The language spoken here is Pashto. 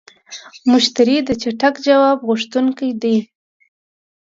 مشتری د چټک ځواب غوښتونکی دی.